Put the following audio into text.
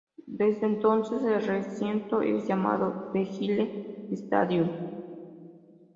Desde entonces, el recinto es llamado "Vejle stadion".